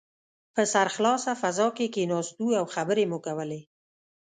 په سرخلاصه فضا کې کښېناستو او خبرې مو کولې.